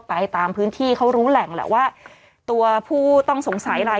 ไปตามพื้นที่เขารู้แหล่งแหละว่าตัวผู้ต้องสงสัยอะไร